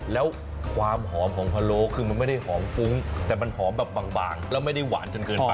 แล้วความหอมของพะโล้คือมันไม่ได้หอมฟุ้งแต่มันหอมแบบบางแล้วไม่ได้หวานจนเกินไป